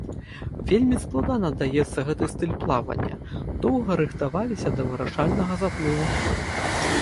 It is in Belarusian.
Вельмі складана даецца гэты стыль плавання, доўга рыхтаваліся да вырашальнага заплыву.